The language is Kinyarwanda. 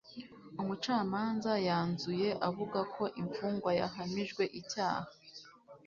Umucamanza yanzuye avuga ko imfungwa yahamijwe icyaha